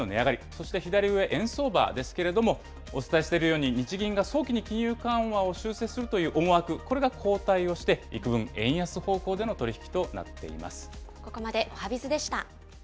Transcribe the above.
そして左上、円相場ですけれども、お伝えしているように、日銀が早期に金融緩和を修正するという思惑、これが後退をして、いくぶん円安方向での取り引きとなっています。